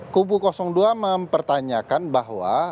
kubu dua mempertanyakan bahwa